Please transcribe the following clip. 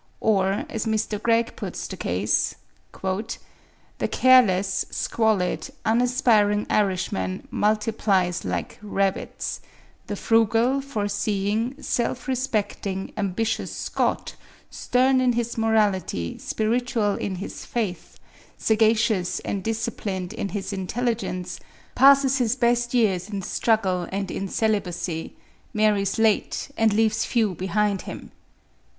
Or as Mr. Greg puts the case: "The careless, squalid, unaspiring Irishman multiplies like rabbits: the frugal, foreseeing, self respecting, ambitious Scot, stern in his morality, spiritual in his faith, sagacious and disciplined in his intelligence, passes his best years in struggle and in celibacy, marries late, and leaves few behind him.